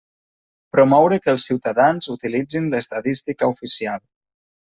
Promoure que els ciutadans utilitzin l'estadística oficial.